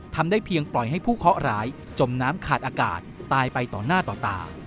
ทำได้เพียงปล่อยให้ผู้เคาะร้ายจมน้ำขาดอากาศตายไปต่อหน้าต่อตา